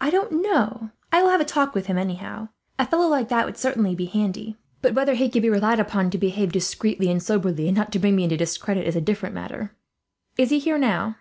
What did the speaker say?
"I don't know. I will have a talk with him, anyhow. A fellow like that would certainly be handy; but whether he could be relied upon to behave discreetly and soberly, and not to bring me into discredit, is a different matter. Is he here now?"